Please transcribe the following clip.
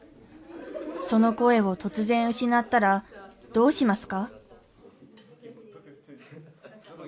その声を突然失ったらどうしますか？